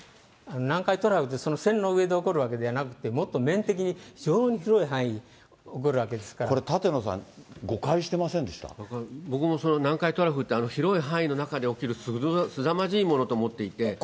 南海トラフって、その線の上で起こるわけじゃなくて、もっと面的に、非常に広い範囲で起こるわけこれ、舘野さん、誤解してま僕も南海トラフって、広い範囲の中で起きる、すさまじいものと思っていて。